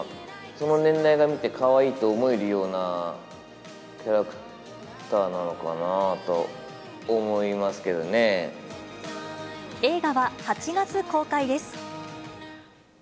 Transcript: その年代が見てかわいいと思えるようなキャラクターなのかなと思映画は８月公開です。